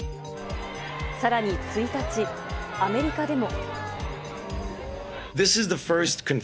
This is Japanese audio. さらに、１日、アメリカでも。